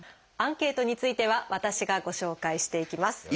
アンケートについては私がご紹介していきます。